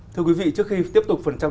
thưa quý vị trước khi tiếp tục phần trăm